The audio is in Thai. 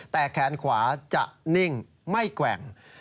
แต่แขนขวาจะนิ่งไม่แกว่ง